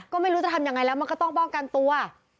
ก็ไม่รู้จะทำยังไงแล้วมันก็ต้องป้องกันตัว